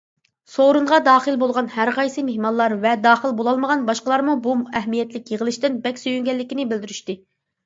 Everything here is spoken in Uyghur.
سورۇنغا داخىل بولغان ھەرقايسى مېھمانلار ۋە داخىل بولالمىغان باشقىلارمۇ بۇ ئەھمىيەتلىك يىغىلىشتىن بەك سۆيۈنگەنلىكىنى بىلدۈرۈشتى.